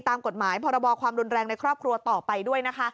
ตามกฎหมายพรบความรุนแรงในครอบครัวต่อไปด้วยนะคะ